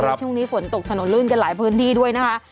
ช่วงนี้ฝนตกถนนลื่นกันหลายพื้นที่ด้วยนะคะ